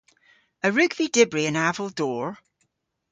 A wrug vy dybri an aval dor?